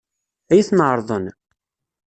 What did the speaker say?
Ad iyi-ten-ɛeṛḍen?